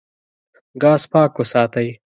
ګاز پاک وساتئ.